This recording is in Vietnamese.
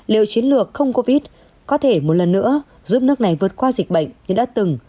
liệu chiến lược không có vít có thể một lần nữa giúp nước này vượt qua dịch bệnh như đã từng